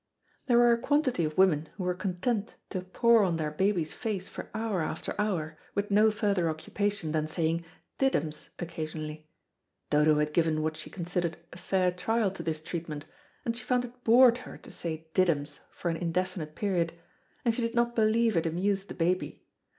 There were a quantity of women who were content to pore on their baby's face for hour after hour, with no further occupation than saying "Didums" occasionally. Dodo had given what she considered a fair trial to this treatment, and she found it bored her to say "Didums" for an indefinite period, and she did not believe it amused the baby.